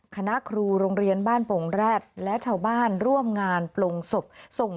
คณะครูโรงเรียนบ้านโป่งแร็ดและชาวบ้านร่วมงานปลงศพส่ง